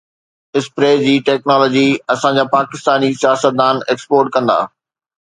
spray جي technology اسان جا پاڪستاني سياستدان ايڪسپورٽ ڪندا